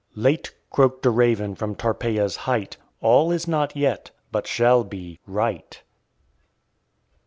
Late croaked a raven from Tarpeia's height, "All is not yet, but shall be, right."